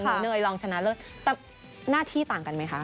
กับหนูเนยรองชนะเลิศหน้าที่ต่างกันไหมคะ